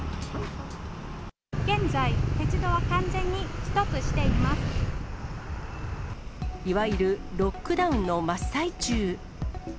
現在、鉄道は完全にストップいわゆるロックダウンの真っ最中。